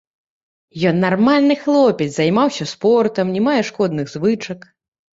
Ён нармальны хлопец, займаўся спортам, не мае шкодных звычак.